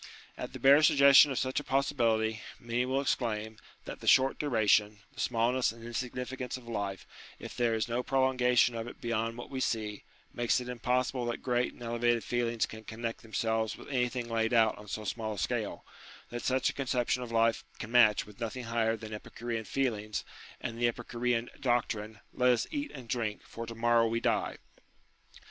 At the bare suggestion of such a possibility, many will exclaim, that the short duration, the smallness and insignificance of life, if there is no prolongation of it beyond what we see, makes it impossible that great and elevated feelings can connect themselves with anything laid out on so small a scale : that such a conception of life can match with nothing higher than Epicurean feelings, and the Epicurean doctrine " Let us eat and drink, for to morrow we die."